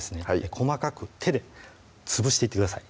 細かく手で潰していってください